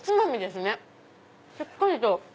しっかりと。